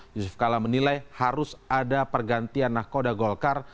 yusuf kala menilai harus ada pergantian nahkoda golkar